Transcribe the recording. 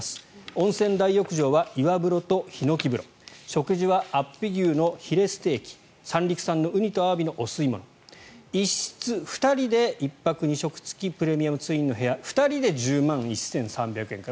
温泉大浴場は岩風呂とヒノキ風呂食事は安比牛のフィレステーキ三陸産のウニとアワビのお吸い物１室２人で１泊２食付きプレミアムツインの部屋２人で１０万１３００円から。